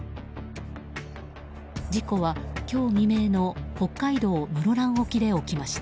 事故は、今日未明の北海道室蘭沖で起きました。